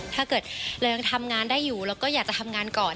ถ้าเกิดเรายังทำงานได้อยู่เราก็อยากจะทำงานก่อน